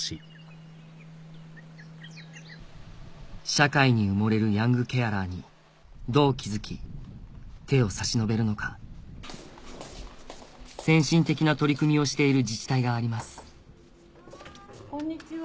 社会に埋もれるヤングケアラーにどう気付き手を差し伸べるのか先進的な取り組みをしている自治体がありますこんにちは。